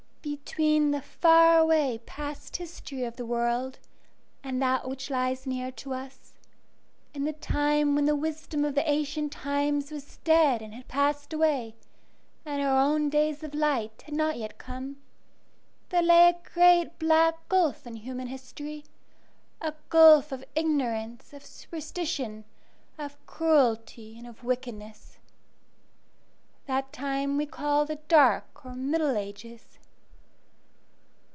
Between the far away past history of the world, and that which lies near to us; in the time when the wisdom of the ancient times was dead and had passed away, and our own days of light had not yet come, there lay a great black gulf in human history, a gulf of ignorance, of superstition, of cruelty, and of wickedness. That time we call the dark or middle ages.